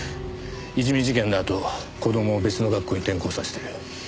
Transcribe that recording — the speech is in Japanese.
いじめ事件のあと子供を別の学校に転校させてる。